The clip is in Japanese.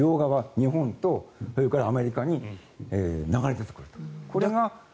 日本とアメリカに流れ出てくると。